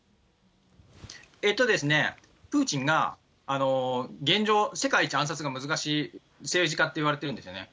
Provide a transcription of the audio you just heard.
プーチンが現状、世界一暗殺が難しい政治家っていわれてるんですよね。